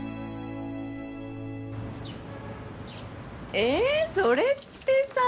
えそれってさ。